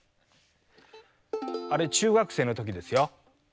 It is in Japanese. あれ中学生の時ですよ。